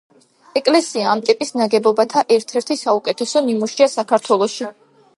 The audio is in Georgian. ეკლესია ამ ტიპის ნაგებობათა ერთ-ერთი საუკეთესო ნიმუშია საქართველოში.